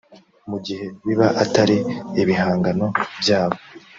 mu gihe biba atari ibihangano byabo